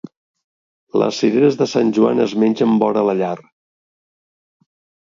Les cireres de Sant Joan es mengen vora la llar.